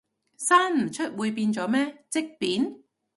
生唔出會變咗咩，積便？